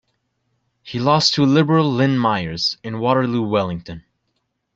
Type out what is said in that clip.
He lost to Liberal Lynn Myers in Waterloo-Wellington.